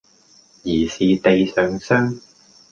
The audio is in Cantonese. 疑是地上霜